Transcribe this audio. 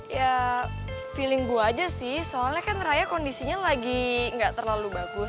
ya feeling gue aja sih soalnya kan raya kondisinya lagi gak terlalu bagus